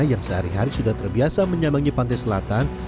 yang sehari hari sudah terbiasa menyambangi pantai selatan